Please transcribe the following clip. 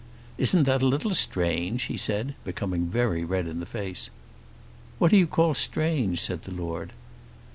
"Isn't that a little strange?" he said, becoming very red in the face. "What do you call strange?" said the Lord.